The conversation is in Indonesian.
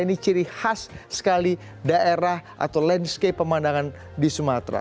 ini ciri khas sekali daerah atau landscape pemandangan di sumatera